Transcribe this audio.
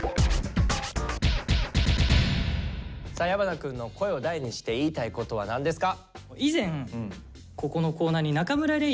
矢花くんの「声を大にして言いたいこと」は何ですか？